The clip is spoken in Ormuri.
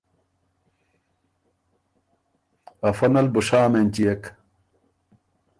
افۀ نل بُو شام اېنچيېک